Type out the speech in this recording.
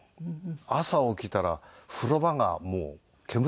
朝起きたら風呂場がもう煙出てるんですよ。